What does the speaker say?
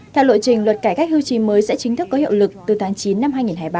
theo lộ trình luật cải cách hưu trí mới sẽ chính thức có hiệu lực từ tháng chín năm hai nghìn hai mươi ba